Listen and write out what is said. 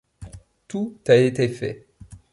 Tout a été fait.